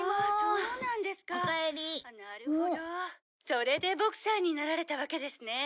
「それでボクサーになられたわけですね」